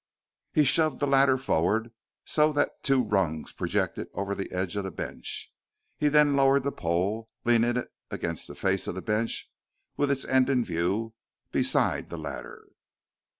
He shoved the ladder forward so that two rungs projected over the edge of the bench. He then lowered the pole, leaning it against the face of the bench with its end in view beside the ladder.